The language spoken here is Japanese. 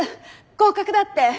合格だって！